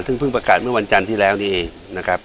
ซึ่งเพิ่งประกาศเมื่อวันจันทร์ที่แล้วนี่เองนะครับ